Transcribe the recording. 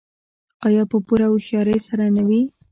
آیا په پوره هوښیارۍ سره نه وي؟